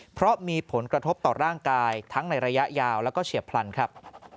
เพราะมีผลกระทบต่อร่างกายทั้งในระยะยาวแล้วก็เฉียบพลันครับ